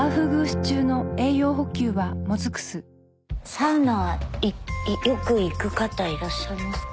サウナはよく行く方いらっしゃいますか？